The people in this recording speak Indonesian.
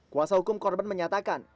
kuasa hukum korban menyatakan